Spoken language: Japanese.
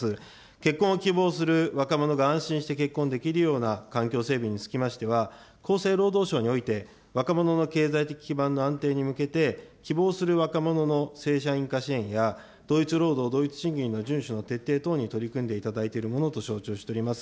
結婚を希望する若者が安心して結婚できるような環境整備につきましては、厚生労働省において、若者の経済的基盤の安定に向けて、希望する若者の正社員化支援や、同一労働同一賃金の順守の徹底等に取り組んでいただいているものと承知をしております。